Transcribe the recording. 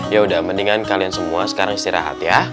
yaudah mendingan kalian semua sekarang istirahat ya